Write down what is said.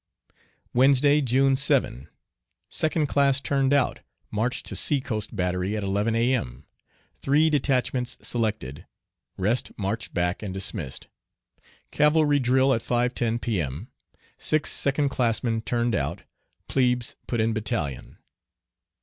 Wednesday, June 7. Second class turned out, marched to sea coast battery at 11 A.M. Three detachments selected. Rest marched back and dismissed. Cavalry drill at 5.10 P.M. Six second classmen turned out. Plebes put in battalion.